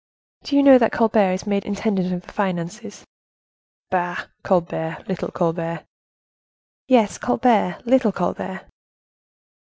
"Do you know that Colbert is made intendant of the finances?" "Bah! Colbert, little Colbert." "Yes, Colbert, little Colbert."